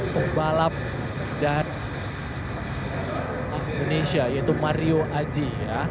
pembalap dari indonesia yaitu mario aji